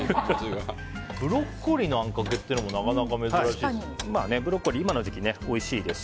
ブロッコリーのあんかけっていうのもなかなか珍しいですね。